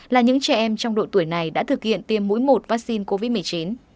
là những trẻ em trong độ tuổi này đã thực hiện tiêm mũi một vaccine covid một mươi chín